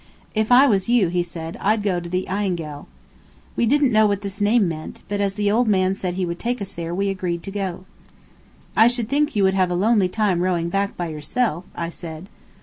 "If I was you," he said, "I'd go to the Eyengel." We didn't know what this name meant, but as the old man said he would take us there we agreed to go. "I should think you would have a lonely time rowing back by yourself," I said.